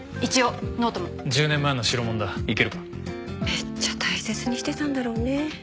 めっちゃ大切にしてたんだろうね。